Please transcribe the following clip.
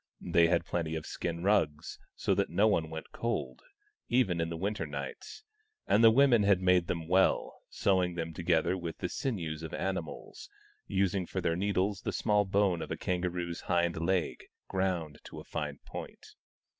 They had plenty of skin rugs, so that no one went cold, even in the winter nights ; and the women had made them well, sewing them together with the sinews of animals, using for their needles the small bone of a kangaroo's hind leg, 9 10 THE STONE AXE OF BURKAMUKK ground to a fine point.